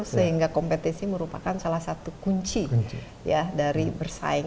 sehingga kompetisi merupakan salah satu kunci ya dari bersaing